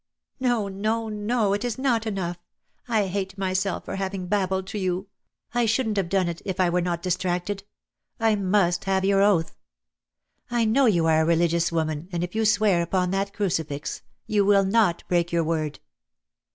"No, no, no, it is not enough. I hate myself for having babbled to you. I shouldn't have done it if I were not distracted. I must have your oath. I know you are a religious woman, and if you swear upon that crucifix, you will not break your word."